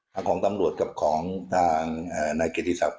ทั้งของตำรวจกับของทางนายกิจกิจศัพท์